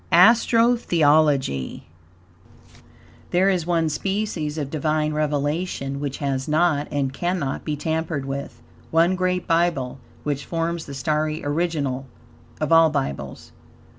ASTRO THEOLOGY There is one species of Divine revelation which has not, and cannot, be tampered with, one great Bible, which forms the starry original of all Bibles.